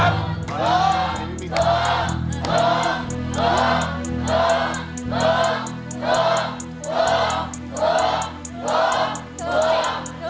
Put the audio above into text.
ถูก